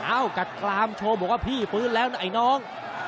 กัดกลามโชว์บอกว่าพี่ฟื้นแล้วนะไอ้น้อง